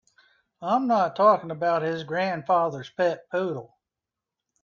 I'm not talking about his grandfather's pet poodle.